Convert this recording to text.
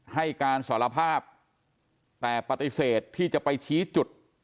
ให้การสารภาพแต่ปฏิเสธที่จะไปชี้จุด